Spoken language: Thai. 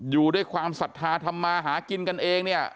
อยู่ด้วยความสัตว์ธาตุธรรมมาหากินกันเองเนี่ย